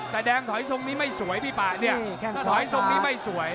หลักดังถอยซงนี้ไม่สวยพี่ปากเนี่ย